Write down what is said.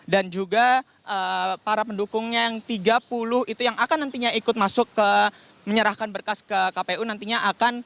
dan juga para pendukungnya yang tiga puluh itu yang akan nantinya ikut masuk menyerahkan berkas ke kpu nantinya akan